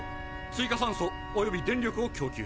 追加酸素および電力を供給。